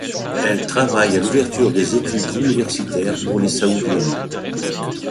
Elle travaille à l'ouverture des études universitaires pour les Saoudiennes.